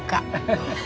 ハハハハ。